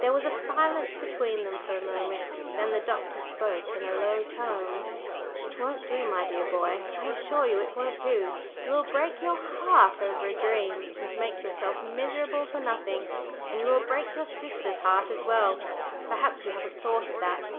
There was a silence between them for a moment, then the Doctor spoke in a low tone: "It won't do, my dear boy, I assure you it won't do! You will break your heart over a dream, and make yourself miserable for nothing. And you will break your sister's heart as well; perhaps you haven't thought of that?"